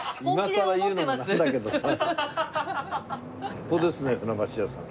ここですね船橋屋さん。